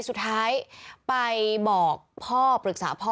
สุดท้ายไปบอกพ่อปรึกษาพ่อ